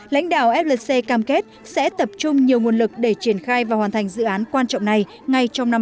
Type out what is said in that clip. lãnh đạo flc cam kết sẽ tập trung nhiều nguồn lực để triển khai và hoàn thành dự án quan trọng này ngay trong năm hai nghìn hai mươi